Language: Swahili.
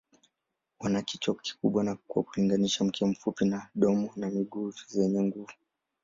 Wana kichwa kikubwa kwa kulinganisha, mkia mfupi na domo na miguu zenye nguvu.